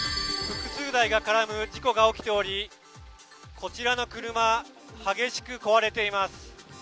複数台が絡む事故が起きておりこちらの車は激しく壊れています